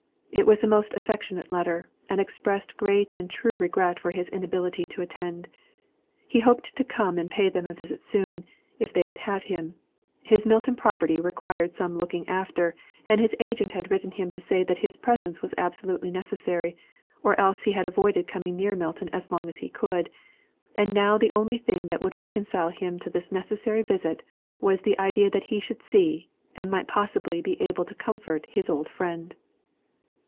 It was a most affectionate letter, and expressed great and true regret for his inability to attend. He hoped to come and pay them a visit soon, if they would have him; his Milton property required some looking after, and his agent had written to him to say that his presence was absolutely necessary; or else he had avoided coming near Milton as long as he could, and now the only thing that would reconcile him to this necessary visit was the idea that he should see, and might possibly be able to comfort his old friend.